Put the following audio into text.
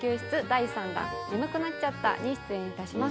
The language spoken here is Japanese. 第３弾『眠くなっちゃった』に出演いたします。